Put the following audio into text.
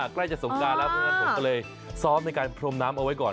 ใกล้จะสงการแล้วเพราะฉะนั้นผมก็เลยซ้อมในการพรมน้ำเอาไว้ก่อน